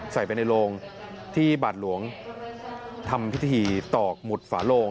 ใส่ไปในโลงที่บาทหลวงทำพิธีตอกหมุดฝาโลง